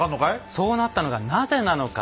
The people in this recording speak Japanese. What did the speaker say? そうなったのがなぜなのか。